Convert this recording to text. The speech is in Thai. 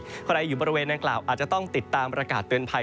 ใครอยู่บริเวณนางกล่าวอาจจะต้องติดตามประกาศเตือนภัย